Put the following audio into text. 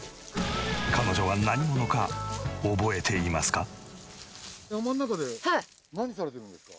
彼女は何者か覚えていますか？